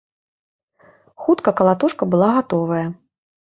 Хутка калатушка была гатовая.